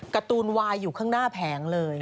การ์ตูนวายอยู่ข้างหน้าแผงเลย